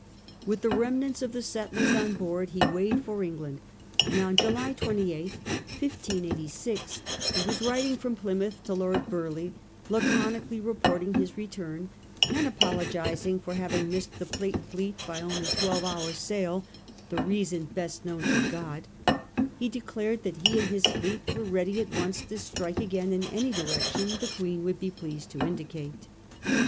With the remnants of the settlers on board he weighed for England, and on July 28th, 1586, he was writing from Plymouth to Lord Burleigh laconically reporting his return ; and apologising for having missed the Plate fleet by only twelve hours' sail —" the reason best known to God "— he declared that he and his fleet were ready at once to strike again in any direction the Queen would be pleased to indicate.